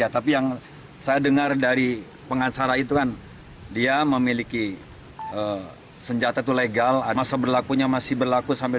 tapi yang saya dengar dari pengasara itu kan dia memiliki senjata itu legal masa berlakunya masih berlaku sampai dua ribu dua puluh